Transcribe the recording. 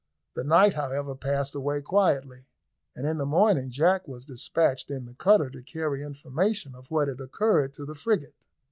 The night, however, passed away quietly, and in the morning Jack was despatched in the cutter to carry information of what had occurred to the frigate.